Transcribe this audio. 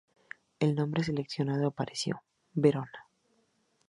El nombre seleccionado apareció: Verona.